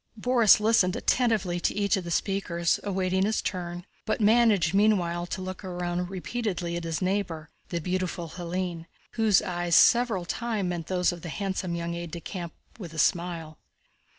Borís listened attentively to each of the speakers, awaiting his turn, but managed meanwhile to look round repeatedly at his neighbor, the beautiful Hélène, whose eyes several times met those of the handsome young aide de camp with a smile.